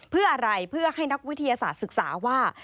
เพื่ออะไรเพื่อให้นักวิทยาศาสตร์ศึกษาว่า